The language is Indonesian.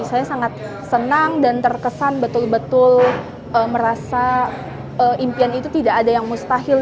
saya sangat senang dan terkesan betul betul merasa impian itu tidak ada yang mustahil